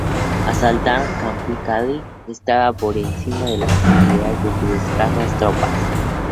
Asaltar "Camp Kigali" estaba por encima de las posibilidades de sus escasas tropas.